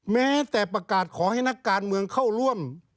แม้แต่ประกาศขอให้นักการเมืองเข้าร่วม